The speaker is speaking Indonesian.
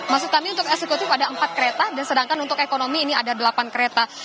maksud kami untuk eksekutif ada empat kereta dan sedangkan untuk ekonomi ini ada delapan kereta